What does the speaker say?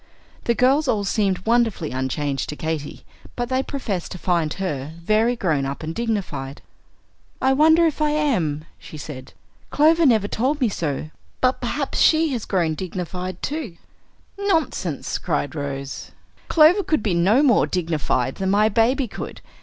The girls all seemed wonderfully unchanged to Katy, but they professed to find her very grown up and dignified. "I wonder if I am," she said. "Clover never told me so. But perhaps she has grown dignified too." "Nonsense!" cried Rose; "Clover could no more be dignified than my baby could.